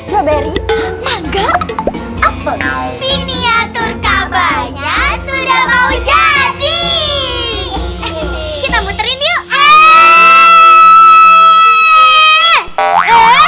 strawberry maga apa miniatur kabarnya sudah mau jadi kita muterin yuk